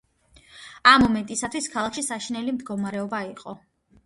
ამ მომენტისათვის ქალაქში საშინელი მდგომარეობა იყო.